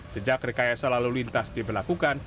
sejak rekaya selalu lintas diberlakukan